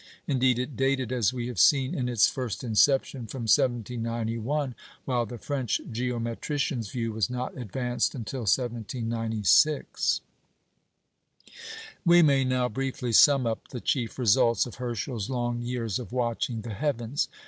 Indeed, it dated, as we have seen, in its first inception, from 1791, while the French geometrician's view was not advanced until 1796. We may now briefly sum up the chief results of Herschel's long years of "watching the heavens."